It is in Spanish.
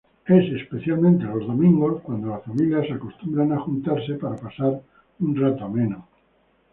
Especialmente los domingos es cuando las familias acostumbran juntarse para pasar un rato ameno.